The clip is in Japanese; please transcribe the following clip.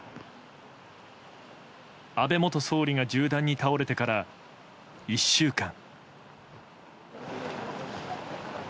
安倍元総理が銃弾に倒れてから１週間。